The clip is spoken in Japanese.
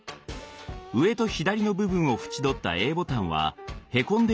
上と左の部分を縁取ったＡボタンはへこんでいるように見えます。